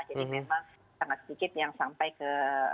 memang sangat sedikit yang sampai ke